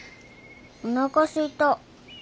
おなかすいた。